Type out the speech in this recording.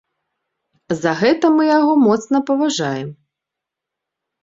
За гэта мы яго моцна паважаем.